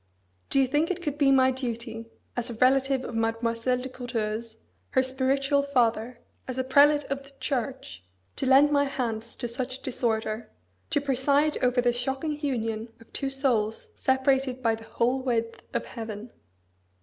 Do you think it could be my duty, as a relative of Mademoiselle de Courteheuse, her spiritual father, as a prelate of the Church, to lend my hands to such disorder, to preside over the shocking union of two souls separated by the whole width of heaven?"